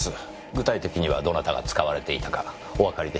具体的にはどなたが使われていたかおわかりでしょうか？